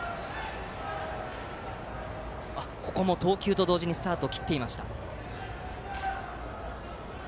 投球と同時にスタートを切っていました。